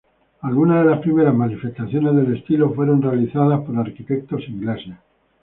Algunas de las primeras manifestaciones del estilo fueron realizadas por arquitectos ingleses.